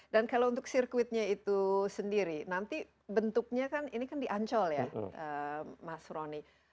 dan kalau untuk sirkuitnya itu sendiri nanti bentuknya kan ini kan di ancol ya mas roni